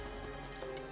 dia juga menangis